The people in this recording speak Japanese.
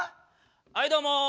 はいどうも。